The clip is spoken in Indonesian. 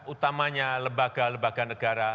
utamanya lembaga lembaga negara